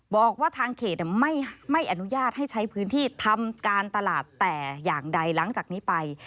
บอกว่าทางเขตไม่อนุญาตให้ใช้พื้นที่ทำการตลาดแต่อย่างใดหลังจากนี้ไป